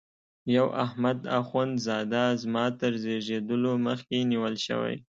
یو احمد اخوند زاده زما تر زیږېدلو مخکي نیول شوی.